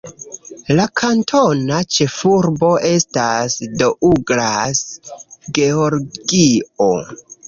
La kantona ĉefurbo estas Douglas, Georgio.